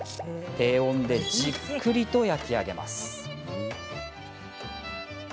低温でじっくりと焼き上げます。